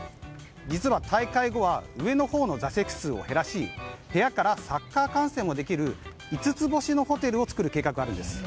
実は大会後は上のほうの座席数を減らし部屋からサッカー観戦もできる五つ星のホテルを作る計画があるんです。